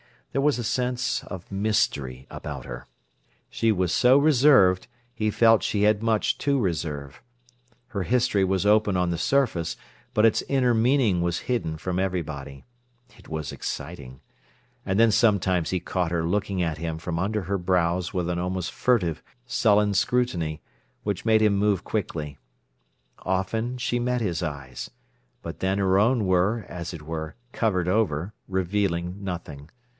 There was a sense of mystery about her. She was so reserved, he felt she had much to reserve. Her history was open on the surface, but its inner meaning was hidden from everybody. It was exciting. And then sometimes he caught her looking at him from under her brows with an almost furtive, sullen scrutiny, which made him move quickly. Often she met his eyes. But then her own were, as it were, covered over, revealing nothing.